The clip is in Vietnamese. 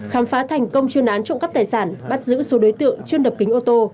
khám phá thành công chuyên án trộm cắp tài sản bắt giữ số đối tượng chuyên đập kính ô tô